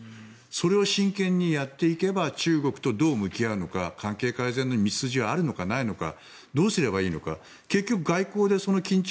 それを真剣にやっていけば中国とどう向き合うのか関係改善の道筋があるのかないのか。